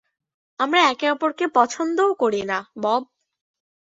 আমরা একে অপরকে পছন্দও করি না, বব।